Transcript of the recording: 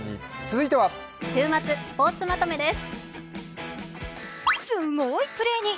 週末スポーツまとめです。